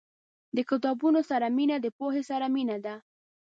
• د کتابونو سره مینه، د پوهې سره مینه ده.